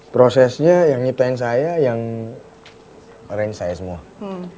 prosesnya yang nyiptain saya yang arrange saya semua